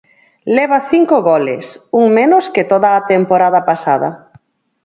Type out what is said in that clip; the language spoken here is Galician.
Leva cinco goles, un menos que toda a temporada pasada.